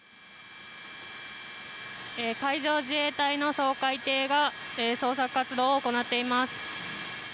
海上自衛隊の掃海艇は捜索活動を行っています。